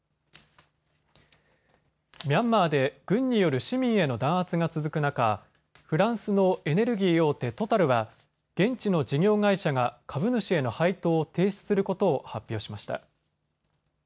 ミャンマーで軍による市民への弾圧が続く中、フランスのエネルギー大手、トタルは現地の事業会社が株主への配当を停止することを発表しました。